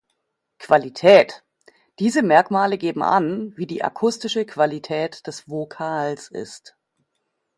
Qualität: Diese Merkmale geben an, wie die akustische Qualität des Vokals ist.